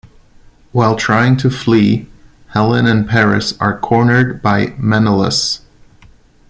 While trying to flee, Helen and Paris are cornered by Menelaus.